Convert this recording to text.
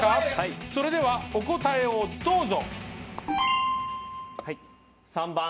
それではお答えをどうぞ。